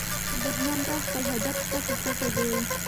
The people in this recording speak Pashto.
دښمن تل خپل هدف ته په پټه ګوري